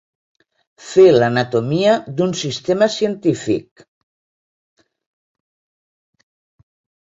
Fer l'anatomia d'un sistema científic.